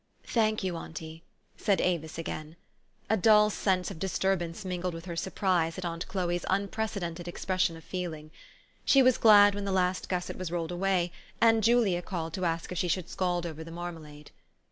" Thank you, auntie," said Avis again. A dull sense of disturbance mingled with her surprise at aunt Chloe's unprecedented expression of feeh'ng. She was glad when the last gusset was rolled away, and Julia called to ask if she should scald over the marmalade.